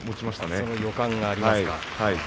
その予感がありますか。